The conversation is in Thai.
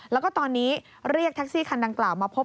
แล้วก็ตอนนี้เรียกแท็กซี่คันดังกล่าวมาพบ